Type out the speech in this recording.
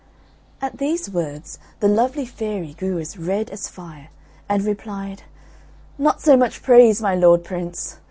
At these words the lovely fairy grew as red as fire, and replied, "Not so much praise, my lord Prince!